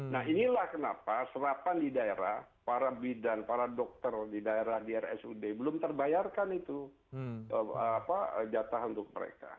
nah inilah kenapa serapan di daerah para bidan para dokter di daerah di rsud belum terbayarkan itu jatah untuk mereka